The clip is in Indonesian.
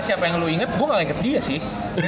siapa yang lo inget gue gak liat dia sih